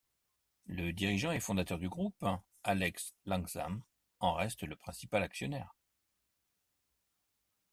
Le dirigeant et fondateur du groupe, Alex Langsam en reste le principal actionnaire.